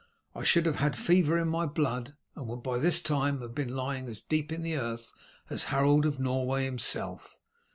I should have had fever in my blood, and would by this time have been lying as deep in the earth as Harold of Norway himself.